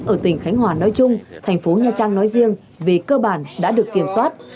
ở tỉnh khánh hòa nói chung thành phố nha trang nói riêng về cơ bản đã được kiểm soát